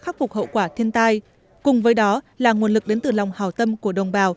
khắc phục hậu quả thiên tai cùng với đó là nguồn lực đến từ lòng hào tâm của đồng bào